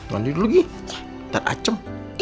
mandi dulu gih ntar acem